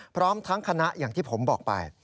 พร้อมทั้งคณะอย่างที่ผมบอกไป